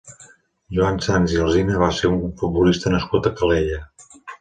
Joan Sans i Alsina va ser un futbolista nascut a Calella.